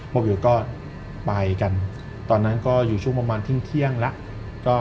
วิวก็ไปกันตอนนั้นก็อยู่ช่วงประมาณเที่ยงแล้ว